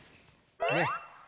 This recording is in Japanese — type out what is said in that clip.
ねっ。